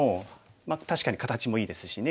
まあ確かに形もいいですしね。